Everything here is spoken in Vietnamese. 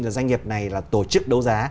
doanh nghiệp này là tổ chức đấu giá